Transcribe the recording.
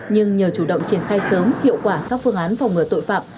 nhưng nhờ chủ động triển khai sớm hiệu quả các phương án phòng ngừa tội phạm